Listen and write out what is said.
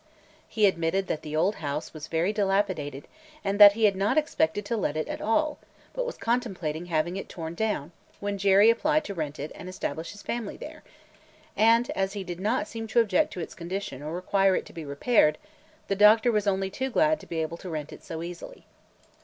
He admitted that the old house was very dilapidated and that he had not expected to let it at all, but was contemplating having it torn down, when Jerry applied to rent it and establish his family there, and, as he did not seem to object to its condition or require it to be repaired, the doctor was only too glad to be able to rent it so easily.